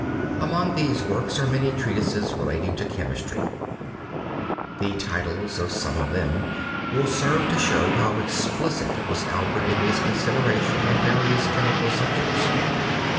Among these works are many treatises relating to chemistry. The titles of some of them will serve to show how explicit was Albert in his consideration of various chemical subjects.